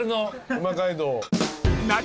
うま街道。